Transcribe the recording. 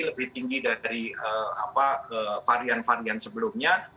lebih tinggi dari varian varian sebelumnya